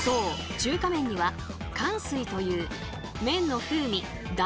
中華麺には「かんすい」という麺の風味弾力